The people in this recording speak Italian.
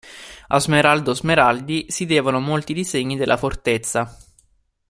A Smeraldo Smeraldi si devono molti disegni della fortezza.